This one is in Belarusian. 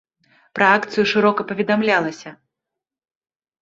Пра акцыю шырока паведамлялася.